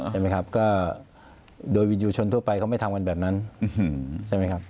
ใช่ไหมครับก็โดยวินยูชนทั่วไปเขาไม่ทำกันแบบนั้นใช่ไหมครับ